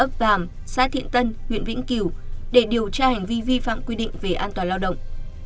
ấp vàm xã thiện tân huyện vĩnh cửu để điều tra hành vi vi phạm quy định về an toàn lao động